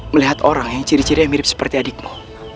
melihat orang yang ciri cirinya mirip seperti adikmu